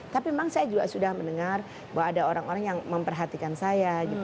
tapi memang saya juga sudah mendengar bahwa ada orang orang yang memperhatikan saya